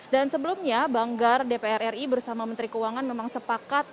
dan sebelumnya banggar dpr ri bersama menteri keuangan memang sepakat